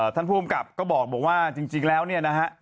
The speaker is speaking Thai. ท่านผู้อำกับก็บอกว่าจริงแล้วเนี่ยนะฮะ